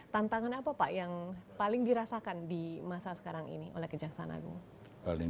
tantangan apa pak yang paling dirasakan di masa sekarang ini oleh kejaksaan agung